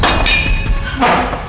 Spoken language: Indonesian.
pak apa tadi